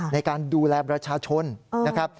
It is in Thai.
ในการดูแลประชาชนนะครับ